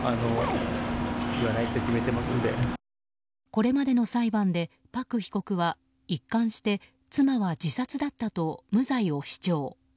これまでの裁判でパク被告は一貫して妻は自殺だったと無罪を主張。